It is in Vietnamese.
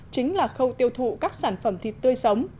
chính là khâu tiêu thụ các sản phẩm thịt tươi sống